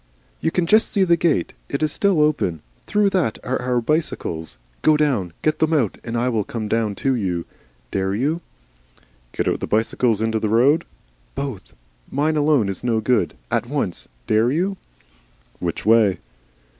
"You can just see the gate. It is still open. Through that are our bicycles. Go down, get them out, and I will come down to you. Dare you? "Get your bicycle out in the road?" "Both. Mine alone is no good. At once. Dare you?" "Which way?"